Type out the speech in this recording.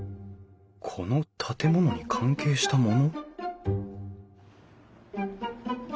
この建物に関係した物？